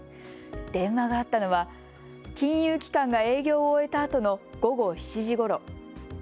電話があったのは金融機関が営業を終えたあとの午後７時ごろ。